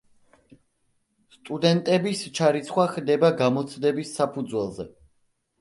სტუდენტების ჩარიცხვა ხდება გამოცდების საფუძველზე.